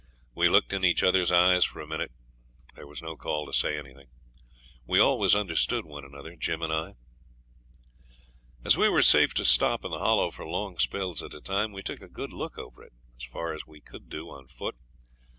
We looked in each other's eyes for a minute; there was no call to say anything. We always understood one another, Jim and I. As we were safe to stop in the Hollow for long spells at a time we took a good look over it, as far as we could do on foot.